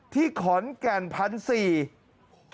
ที่ขอนแก่นพันธุ์๔๐๐๐บาท